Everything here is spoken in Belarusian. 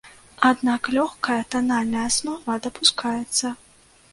Аднак лёгкая танальная аснова дапускаецца.